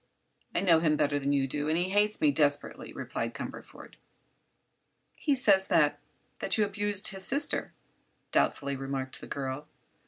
"I know him better than you do, and he hates me desperately," replied Cumberford. "He says that—that you abused his sister," doubtfully remarked the girl.